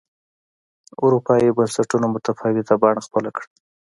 اروپایي بنسټونو متفاوته بڼه خپله کړه